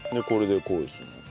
これでこうですね。